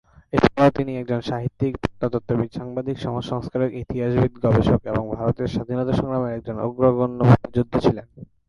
এছাড়াও তিনি একজন সাহিত্যিক, প্রত্নতত্ত্ববিদ, সাংবাদিক, সমাজ সংস্কারক, ইতিহাসবিদ, গবেষক এবং ভারতের স্বাধীনতা সংগ্রামের একজন অগ্রগণ্য মুক্তিযোদ্ধা ছিলেন।